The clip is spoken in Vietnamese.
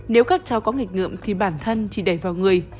nếu các cháu có nghịch ngợm thì bản thân chỉ đẩy vào người